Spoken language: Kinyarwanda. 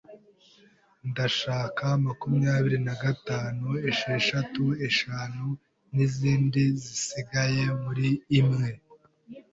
Ndashaka makumyabiri na gatatu, esheshatu eshanu, nizindi zisigaye muri imwe.